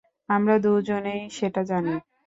আমরা দুজনেই সেটা জানি।